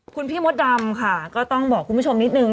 คุณพี่มดดำค่ะก็ต้องบอกคุณผู้ชมนิดนึง